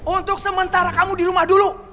untuk sementara kamu di rumah dulu